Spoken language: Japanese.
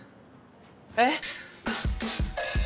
「えっ！？」